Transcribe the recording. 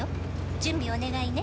「準備お願いね